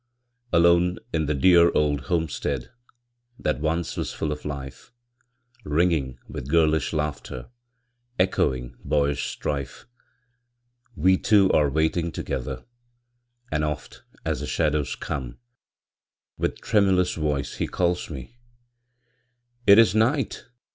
Alone in the dear old homestead That once was full of life, Ringing with girlish laughter, Echoing boyish strife, We two are waiting together; And oft, as the shadows come, With tremulous voice he calls me, "It is night!